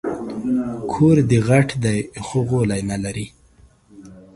کور دي غټ دی خو غولی نه لري